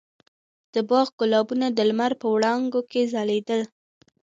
د باغ ګلابونه د لمر په وړانګو کې ځلېدل.